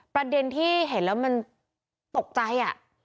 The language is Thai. ประเด็นที่เห็นแล้วมันตกใจ